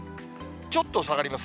ちょっと下がります。